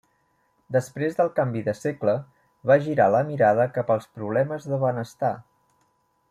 Després del canvi de segle, va girar la mirada cap als problemes de benestar.